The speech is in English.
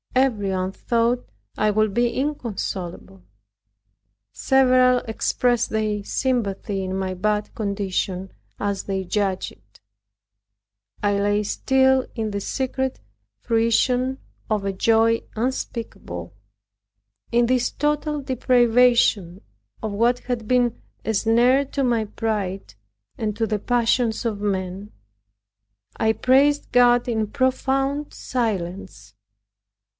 Everyone thought I would be inconsolable. Several expressed their sympathy in my sad condition, as they judged it. I lay still in the secret fruition of a joy unspeakable, in this total deprivation of what had been a snare to my pride, and to the passions of men. I praised God in profound silence.